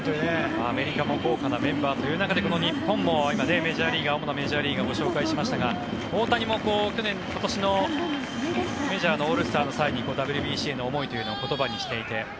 アメリカも豪華なメンバーという中でこの日本も今主なメジャーリーガーを紹介しましたが大谷も今年のメジャーのオールスターの際にＷＢＣへの思いというのを言葉にしていて。